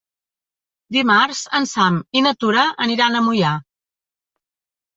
Dimarts en Sam i na Tura aniran a Moià.